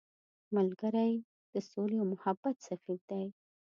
ملګری د سولې او محبت سفیر دی